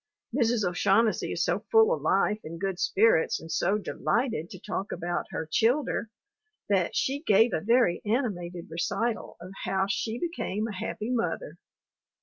Mrs. O'Shaughnessy is so full of life and good spirits and so delighted to talk about her "childher" that she gave a very animated recital of how she became a happy mother.